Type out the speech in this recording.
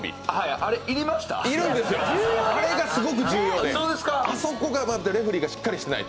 あれがすごく重要で、あそこでレフェリーがしっかりしてないと。